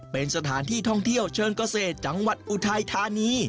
เป็นสถานที่ท่องเที่ยวเชิงเกษตรจังหวัดอุทัยธานี